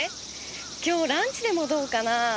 今日ランチでもどうかな？